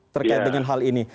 terkait dengan hal ini